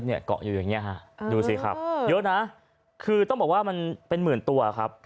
เกาะอยู่อย่างนี้ฮะดูสิครับเยอะนะคือต้องบอกว่ามันเป็นหมื่นตัวครับ